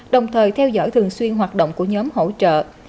đồng thời theo dõi thường xuyên hoạt động của nhóm hỗ trợ